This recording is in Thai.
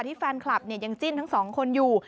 ที่แฟนคลับเนี่ยยังจิ้นทั้งสองคนอยู่